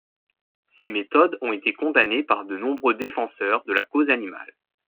Ces méthodes ont été condamnées par de nombreux défenseurs de la cause animale.